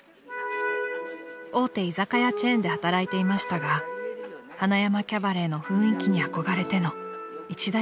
［大手居酒屋チェーンで働いていましたが塙山キャバレーの雰囲気に憧れての一大決心でした］